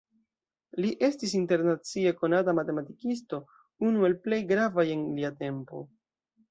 Li estis internacie konata matematikisto, unu el plej gravaj en lia tempo.